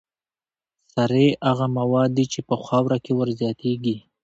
سرې هغه مواد دي چې په خاوره کې ور زیاتیږي.